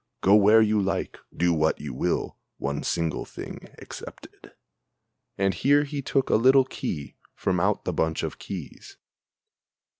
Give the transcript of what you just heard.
Go where you like, do what you will, one single thing excepted!" And here he look a little key from out the bunch of keys.